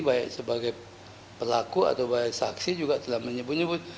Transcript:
baik sebagai pelaku atau baik saksi juga telah menyebut nyebut